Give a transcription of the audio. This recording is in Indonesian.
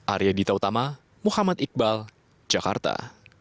arya dita utama muhammad iqbal jakarta